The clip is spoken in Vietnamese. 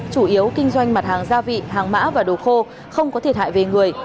chủ yếu kinh doanh mặt hàng gia vị hàng mã và đồ khô không có thiệt hại về người